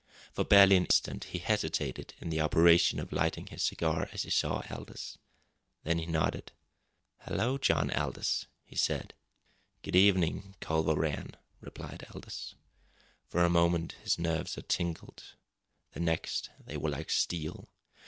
For barely an instant he hesitated in the operation of lighting his cigar as he saw Aldous. Then he nodded. "Hello, John Aldous," he said. "Good evening, Culver Rann," replied Aldous. For a moment his nerves had tingled the next they were like steel.